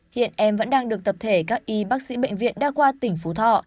hiện em vẫn đang được tập thể các y bác sĩ bệnh viện đã qua tỉnh phú thọ